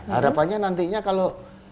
harapannya nantinya kalau